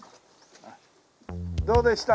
どうでした？